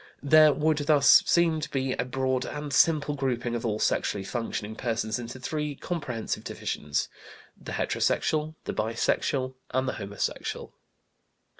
There would thus seem to be a broad and simple grouping of all sexually functioning persons into three comprehensive divisions: the heterosexual, the bisexual, and the homosexual.